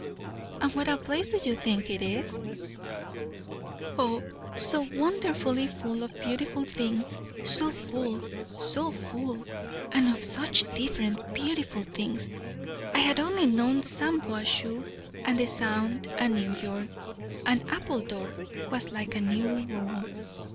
"And what a place do you think it is?" "O, so wonderfully full of beautiful things so full! so full! and of such different beautiful things. I had only known Shampuashuh and the Sound and New York; and Appledore was like a new world."